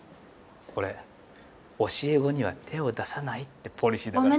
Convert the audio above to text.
俺教え子には手を出さないってポリシーだから。